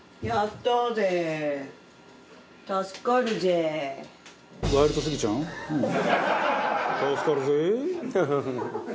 助かるぜぇ。